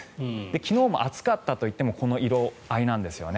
昨日も暑かったといってもこの色合いなんですね。